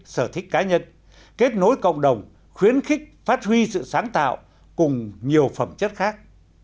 sở thích cá nhân kết nối cộng đồng khuyến khích phát huy sự sáng tạo cùng nhiều phẩm chất khác